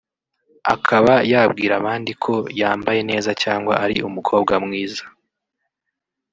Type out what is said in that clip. akaba yabwira abandi ko yambaye neza cyangwa ko ari umukobwa mwiza